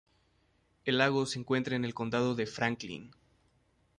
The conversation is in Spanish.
El lago se encuentra en el Condado de Franklin.